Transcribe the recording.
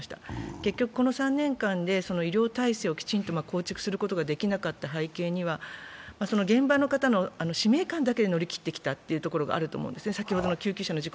結局この３年間できちんと構築することができなかった背景には、その現場の方の使命感だけで乗り切ってきたというところもあると思います。